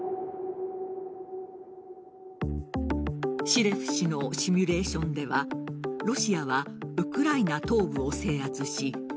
シレフ氏のシミュレーションではロシアはウクライナ東部を制圧しＮＡＴＯ